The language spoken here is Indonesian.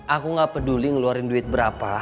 aku gak peduli ngeluarin duit berapa